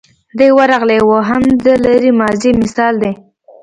دی ورغلی و هم د لرې ماضي مثال دی.